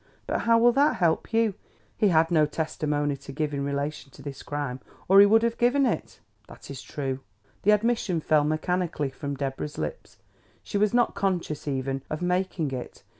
But how will that help you? He had no testimony to give in relation to this crime, or he would have given it." "That is true." The admission fell mechanically from Deborah's lips; she was not conscious, even, of making it.